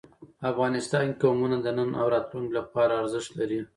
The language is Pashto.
افغانستان کې قومونه د نن او راتلونکي لپاره ارزښت لري.